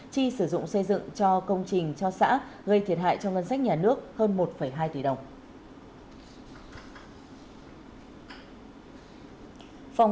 chi sử dụng xây dựng cho công trình cho xã gây thiệt hại cho ngân sách nhà nước hơn một hai tỷ đồng